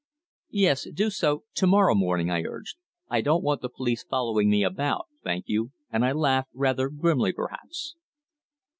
"Yes, do so to morrow morning," I urged. "I don't want the police following me about thank you," and I laughed, rather grimly perhaps.